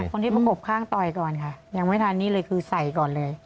คนที่ประกบข้างต่อยก่อนค่ะยังไม่ทันนี่เลยคือใส่ก่อนเลย